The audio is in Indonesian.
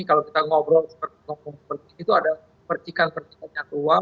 kalau kita ngobrol seperti itu ada percikan percikan yang luar